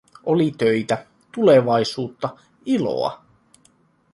Oli töitä, tulevaisuutta, iloa.